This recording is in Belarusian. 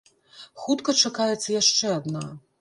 Хутка чакаецца яшчэ адна.